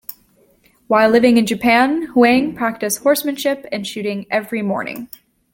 While living in Japan Huang practiced horsemanship and shooting every morning.